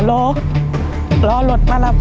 ลองกันถามอีกหลายเด้อ